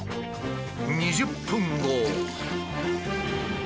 ２０分後。